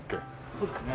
そうですね。